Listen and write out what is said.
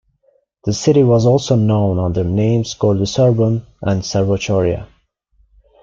The city was also known under names Gordoserbon and Servochoria.